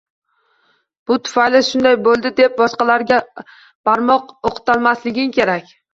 Bu tufayli shunday bo’ldi deb boshqalarga barmoq o’qtalmasliging kerak